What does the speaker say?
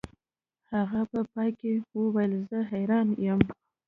هغه په پای کې وویل زه حیران یم